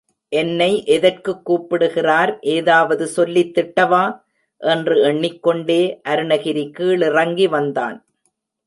என்னை எதற்கு கூப்பிடுகிறார், ஏதாவது சொல்லித் திட்டவா? என்று எண்ணிக்கொண்டே அருணகிரி கீழிறங்கி வந்தான்.